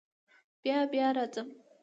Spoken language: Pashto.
بیا بیا راځم.